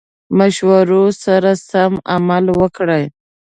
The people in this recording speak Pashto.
مشورو سره سم عمل وکړي.